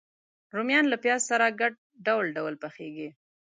رومیان له پیاز سره ګډ ډول ډول پخېږي